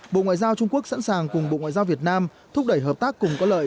bộ ngoại giao trung quốc sẵn sàng cùng bộ ngoại giao việt nam thúc đẩy hợp tác cùng có lợi